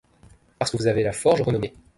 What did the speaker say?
Parce que vous avez la forge aux renommées